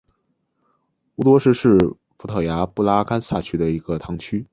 乌罗什是葡萄牙布拉干萨区的一个堂区。